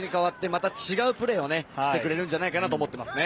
また違うプレーをしてくれるんじゃないかと思いますね。